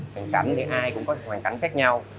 hoàn cảnh thì ai cũng có hoàn cảnh khác nhau